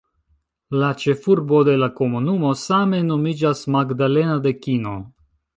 La ĉefurbo de la komunumo same nomiĝas "Magdalena de Kino".